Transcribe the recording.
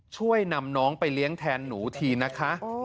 ช่วยนำน้องไปเลี้ยงแทนหนูทีนะคะ